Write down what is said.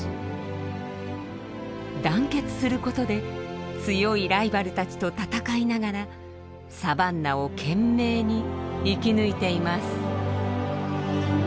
団結することで強いライバルたちと戦いながらサバンナを懸命に生き抜いています。